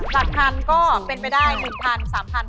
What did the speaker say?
หลักพันก็เป็นไปได้๑๐๐๓๐๐บาท